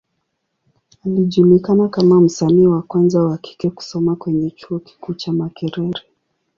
Alijulikana kama msanii wa kwanza wa kike kusoma kwenye Chuo kikuu cha Makerere.